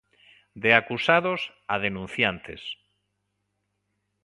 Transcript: De acusados a denunciantes.